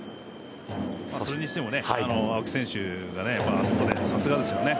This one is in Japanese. それにしても青木選手があそこで、さすがですね。